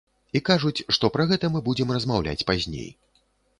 І кажуць, што пра гэта мы будзем размаўляць пазней.